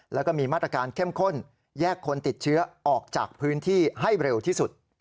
แล้วก็มีมาตรการเข้มข้นแยกคนติดเชื้อออกจากพื้นที่ให้เร็วที่สุด